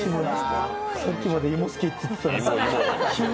さっきまで芋好きって言ってたのに急に。